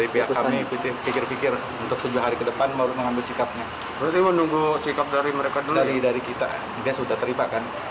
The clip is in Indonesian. pihak lucinta luna menerima hukuman penjara